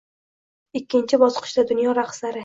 Ikkinchi bosqichda dunyo raqslari